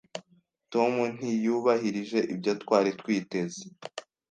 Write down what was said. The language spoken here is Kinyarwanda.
Tom ntiyubahirije ibyo twari twiteze.